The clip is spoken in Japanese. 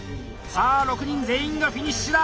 さあ６人全員がフィニッシュだ！